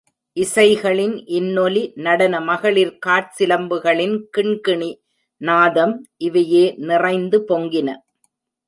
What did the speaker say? இசைகளின் இன்னொலி, நடன மகளிர் காற்சிலம்புகளின் கிண்கிணி நாதம், இவையே நிறைந்து பொங்கின.